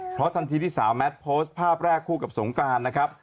เพราะทันทีที่สาวแมทโพสต์ภาพแรกคู่กับสงกรานนะครับ